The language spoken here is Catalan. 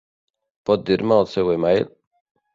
Pot dir-me el seu email?